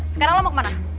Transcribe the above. sekarang lo mau kemana